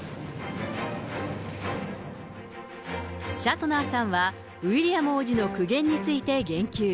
シャトナーさんは、ウィリアム王子の苦言について言及。